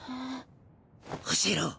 教えろ。